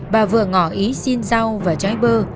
bà vượng ngỏ ý xin rau và trái bơ